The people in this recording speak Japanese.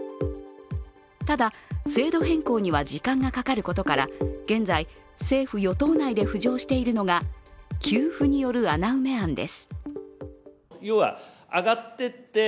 ただ、制度変更には時間がかかることから現在政府・与党内で浮上しているのが給付による穴埋め案です。